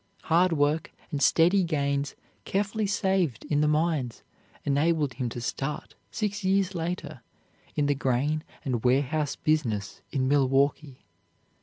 Hard work and steady gains carefully saved in the mines enabled him to start, six years later, in the grain and warehouse business in Milwaukee.